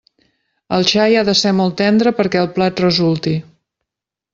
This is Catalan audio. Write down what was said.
El xai ha de ser molt tendre perquè el plat resulti.